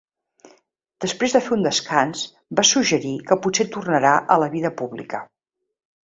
Després de fer un descans, va suggerir que potser tornarà a la vida pública.